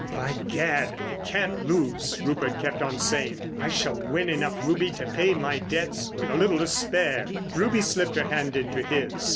"By gad, it can't lose," Rupert kept on saying. "I shall win enough, Ruby, to pay my debts, with a little to spare." Ruby slipped her hand into his.